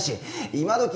今どき